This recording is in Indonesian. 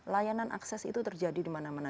layanan akses itu terjadi dimana mana